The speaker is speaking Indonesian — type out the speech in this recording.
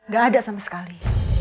gak ada sama sekali